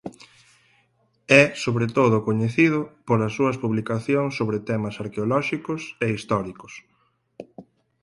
É sobre todo coñecido polas súas publicacións sobre temas arqueolóxicos e históricos.